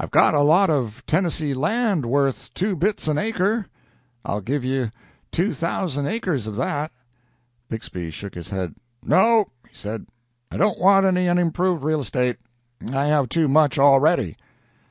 "I've got a lot of Tennessee land worth two bits an acre. I'll give you two thousand acres of that." Bixby shook his head. "No," he said, "I don't want any unimproved real estate. I have too much already."